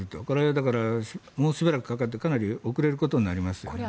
これは、だからもうしばらくかかってかなり遅れることになりますね。